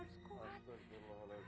kamu yang salah